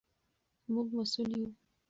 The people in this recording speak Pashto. موږ مسوول یو.